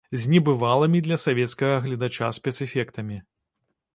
З небывалымі для савецкага гледача спецэфектамі.